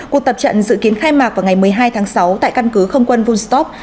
cuộc tập trận dự kiến khai mạc vào ngày một mươi hai tháng sáu tại căn cứ không quân vounstop